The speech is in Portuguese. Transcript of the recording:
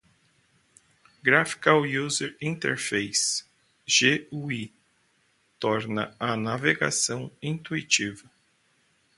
Graphical User Interface (GUI) torna a navegação intuitiva.